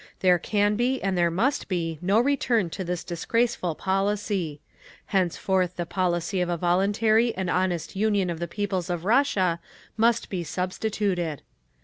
There can be and there must be no return to this disgraceful policy. Henceforth the policy of a voluntary and honest union of the peoples of Russia must be substituted.